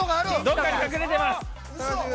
◆どこかに隠れています。